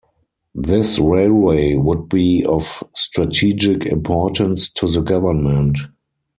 This railway would be of strategic importance to the government.